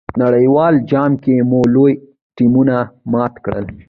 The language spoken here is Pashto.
نړیوال جام کې مو لوی ټیمونه مات کړل.